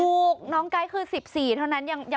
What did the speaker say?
ถูกน้องไก๊คือ๑๔เท่านั้น